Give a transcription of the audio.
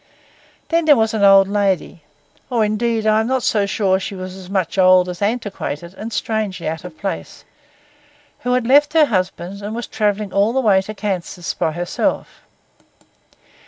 Then there was an old lady, or indeed I am not sure that she was as much old as antiquated and strangely out of place, who had left her husband, and was travelling all the way to Kansas by herself.